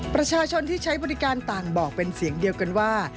ประชาชนที่ใช้บริการต่างบอกเป็นเสียงเดียวกันว่า